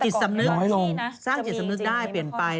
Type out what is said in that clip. จิตรรมนึกสร้างจิตหรือจิตความส้นองน้ำได้เปลี่ยนไป